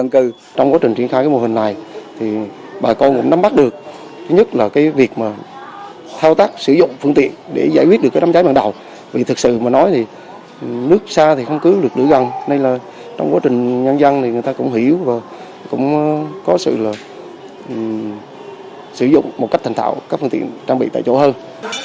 cũng có sự sử dụng một cách thành thạo các phương tiện trang bị tại chỗ hơn